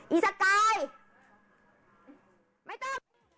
อีสกาย